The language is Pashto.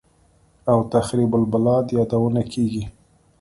او «تخریب البلاد» یادونه کېږي